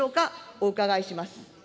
お伺いします。